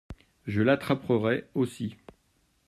Je l’attraperai aussi.